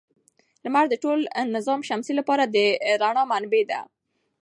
لمر د ټول نظام شمسي لپاره د رڼا منبع ده.